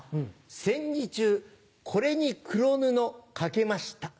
戦時中これに黒布かけました。